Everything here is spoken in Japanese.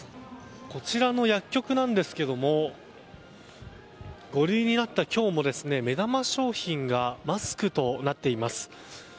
こちらの薬局なんですけれども５類になった今日も目玉商品がマスクとなっています。